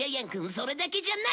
それだけじゃない！